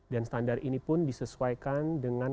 standar ini pun disesuaikan dengan